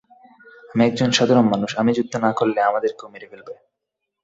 আমি একজন সাধারণ মানুষ, আমি যুদ্ধ না করলে, আমাদেরকেও মেরে ফেলবে।